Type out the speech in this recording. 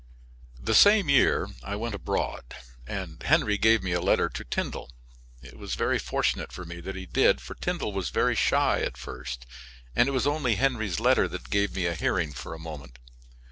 The same year I went abroad, and Henry gave me a letter to Tyndall. It was very fortunate for me that he did, for Tyndall was very shy at first, and it was only Henry's letter that gave me a hearing for a moment.